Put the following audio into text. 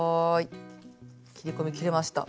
切り込み切れました。